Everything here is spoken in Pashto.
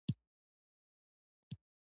د دې اته سلنډره موټر ډيزاين بشپړ شو.